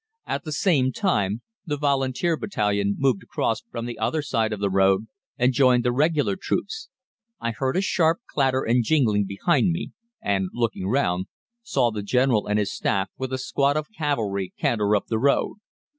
At the same time the Volunteer battalion moved across from the other side of the road and joined the Regular troops. I heard a sharp clatter and jingling behind me, and, looking round, saw the General and his staff with a squad of cavalry canter up the road.